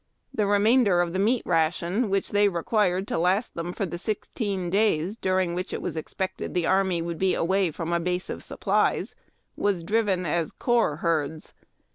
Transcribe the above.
The remainder of the meat ration which they required to Last them for the sixteen days during which it was expected the army would be away from a base of supplies was driven as corps herds.